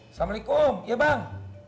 assalamualaikum ya bang